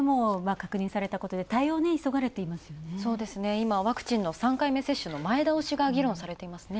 今、ワクチンの３回目接種の前倒しが議論されていますね。